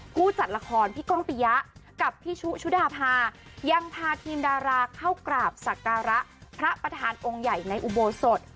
ผู้จัดละครพี่ก้องปิยะกับพี่ชุชุดาพายังพาทีมดาราเข้ากราบสักการะพระประธานองค์ใหญ่ในอุโบสถ